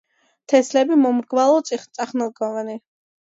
თესლები მომრგვალო წახნაგოვანი.